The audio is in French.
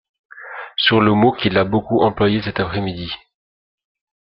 sur le mot qu'il a beaucoup employé cet après-midi